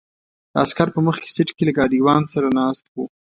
عسکر په مخکې سیټ کې له ګاډیوان سره ناست وو.